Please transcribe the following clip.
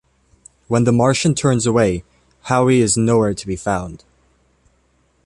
When the Martian turns away, Howe is nowhere to be found.